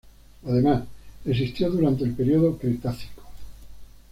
Además existió durante el periodo Cretácico.